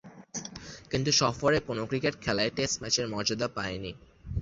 কিন্তু সফরের কোন ক্রিকেট খেলাই টেস্ট ম্যাচের মর্যাদা পায়নি।